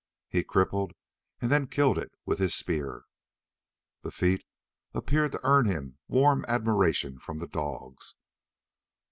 He crippled, and then killed it with his spear. The feat appeared to earn him warm admiration from the dogs.